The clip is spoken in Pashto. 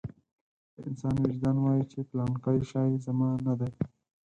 د انسان وجدان وايي چې پلانکی شی زما نه دی.